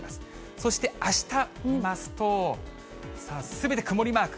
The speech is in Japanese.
そして、あした見ますと、さあ、すべて曇りマーク。